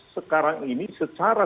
sekarang ini secara